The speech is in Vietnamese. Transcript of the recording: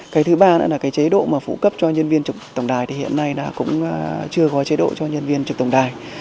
cái thứ ba nữa là cái chế độ mà phụ cấp cho nhân viên trực tổng đài thì hiện nay là cũng chưa có chế độ cho nhân viên trực tổng đài